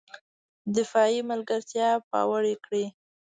دفاعي ملګرتیا پیاوړې کړي